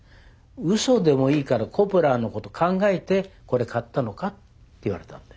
ウソでもいいからコッポラのこと考えてこれ買ったのか？」って言われたんだよね。